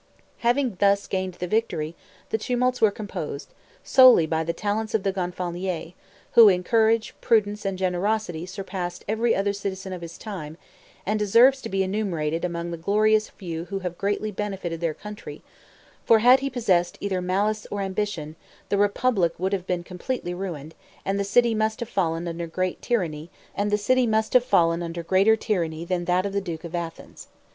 Having thus gained the victory, the tumults were composed, solely by the talents of the Gonfalonier, who in courage, prudence, and generosity surpassed every other citizen of his time, and deserves to be enumerated among the glorious few who have greatly benefited their country; for had he possessed either malice or ambition, the republic would have been completely ruined, and the city must have fallen under greater tyranny than that of the duke of Athens.